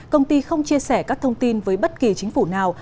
công ty không chia sẻ các thông tin với bất kỳ chính phủ nào